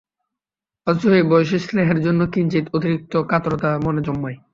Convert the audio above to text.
অথচ এই বয়সেই স্নেহের জন্য কিঞ্চিৎ অতিরিক্ত কাতরতা মনে জন্মায়।